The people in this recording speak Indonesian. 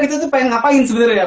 kita tuh pengen ngapain sebenarnya ya